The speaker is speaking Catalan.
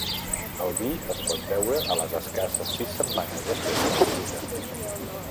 El vi es pot beure a les escasses sis setmanes després de la collita.